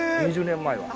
２０年前は。